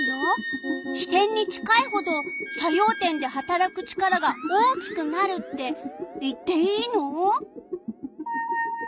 支点に近いほど作用点ではたらく力が大きくなるって言っていいの？